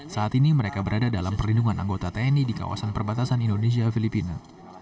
saat ini mereka berada dalam perlindungan anggota tni di kawasan perbatasan indonesia filipina